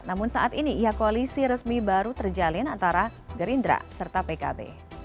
namun saat ini ia koalisi resmi baru terjalin antara gerindra serta pkb